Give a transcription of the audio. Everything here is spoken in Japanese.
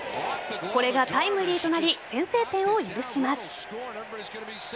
これがタイムリーとなり先制点を許します。